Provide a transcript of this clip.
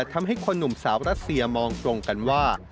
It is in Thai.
ทำให้คนหนุ่มสาวรัสเซียมองตรงกันว่า